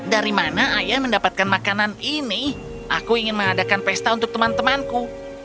dari mana ayah mendapatkan makanan ini aku ingin mengadakan pesta untuk teman temanku